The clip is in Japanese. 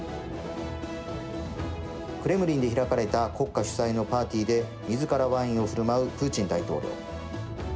クレムリンで開かれた国家主催のパーティーでみずからワインをふるまうプーチン大統領。